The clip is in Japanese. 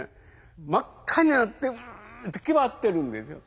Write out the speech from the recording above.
真っ赤になってんって気張ってるんですよ。